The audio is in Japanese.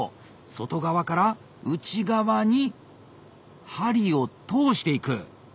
外側から内側に針を通していく。